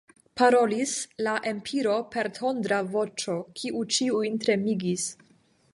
parolis la emiro per tondra voĉo, kiu ĉiujn tremigis.